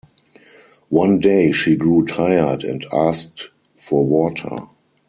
One day she grew tired, and asked for water.